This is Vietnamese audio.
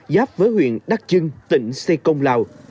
giáp với huyện đắc trưng tỉnh sê công lào